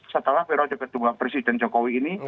setelah wiro jokowi ini